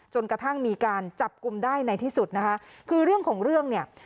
จนกระทั่งมีการจับกลุ่มได้ในที่สุดนะคะคือเรื่องของเรื่องเนี่ย